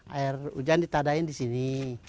air hujan ditadain di sini